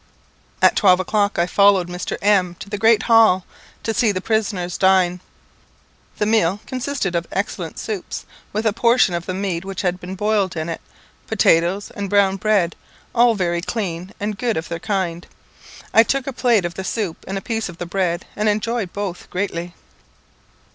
At twelve o'clock I followed Mr. M to the great hall, to see the prisoners dine. The meal consisted of excellent soups, with a portion of the meat which had been boiled in it, potatoes, and brown bread, all very clean and good of their kind. I took a plate of the soup and a piece of the bread, and enjoyed both greatly.